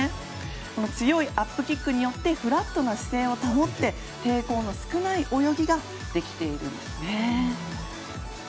強いアップキックによってフラットな姿勢を保って抵抗の少ない泳ぎができているんですね。